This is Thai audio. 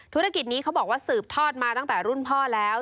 ธุรกิจนี้เขาบอกว่าสืบทอดมาตั้งแต่รุ่นพ่อแล้ว